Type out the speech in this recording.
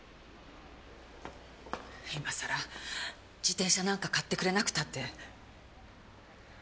今さら自転車なんか買ってくれなくたって！